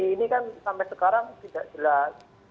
ini kan sampai sekarang tidak jelas